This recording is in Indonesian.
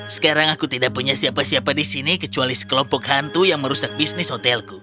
sekarang aku tidak punya siapa siapa di sini kecuali sekelompok hantu yang merusak bisnis hotelku